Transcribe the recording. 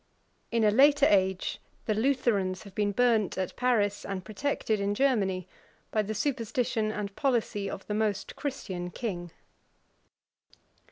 In a later age the Lutherans have been burnt at Paris, and protected in Germany, by the superstition and policy of the most Christian king.